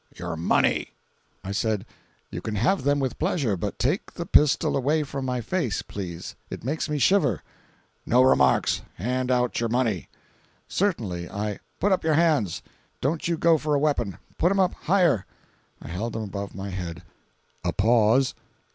Your money!" I said: "You can have them with pleasure—but take the pistol away from my face, please. It makes me shiver." "No remarks! Hand out your money!" "Certainly—I—" "Put up your hands! Don't you go for a weapon! Put 'em up! Higher!" I held them above my head. A pause.